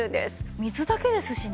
水だけですしね。